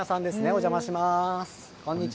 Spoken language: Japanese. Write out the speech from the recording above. お邪魔します。